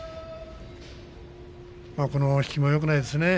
この引きもよくないですね。